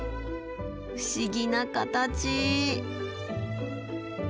不思議な形。